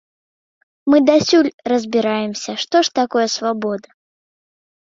Мы дасюль разбіраемся, што ж такое свабода.